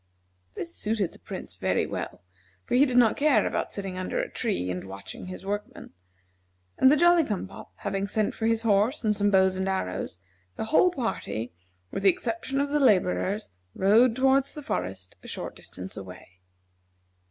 This suited the Prince very well, for he did not care about sitting under a tree and watching his workmen, and the Jolly cum pop having sent for his horse and some bows and arrows, the whole party, with the exception of the laborers, rode toward the forest, a short distance away.